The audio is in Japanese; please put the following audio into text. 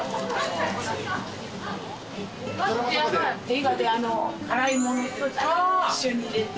映画で辛いものと一緒に入れて。